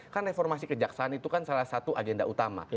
kan reformasi kejaksaan itu kan salah satu agenda utama